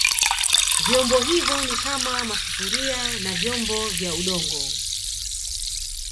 Vyombo hivyo ni kama masufuria na vyombo vya Udongo